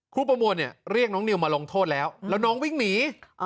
ประมวลเนี่ยเรียกน้องนิวมาลงโทษแล้วแล้วน้องวิ่งหนี